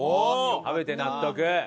食べて納得！